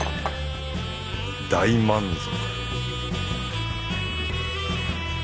大満足